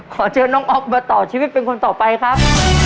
ขอเชิญน้องอ๊อฟมาต่อชีวิตเป็นคนต่อไปครับ